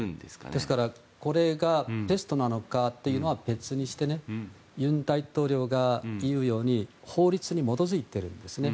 ですから、これがベストなのかというのは別にして尹大統領が言うように法律に基づいてるんですね。